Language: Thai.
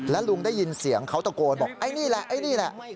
แล้วลุงได้ยินเสียงเขาตะโกนบอกไอ้นี่แหละไอ้นี่แหละ